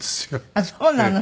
あっそうなの。